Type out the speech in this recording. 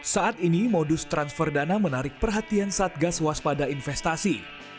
saat ini modus transfer dana menarik perhatian satgas waspada investasi